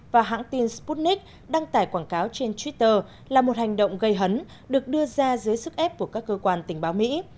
và hãng tin sputnik đăng tải quảng cáo trên twitter là một hành động gây hấn được đưa ra dưới sức ép của các cơ quan tình báo mỹ